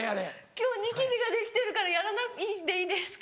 今日ニキビができてるからやらないでいいですか？